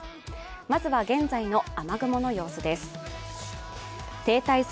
まずは現在の雨雲の様子です。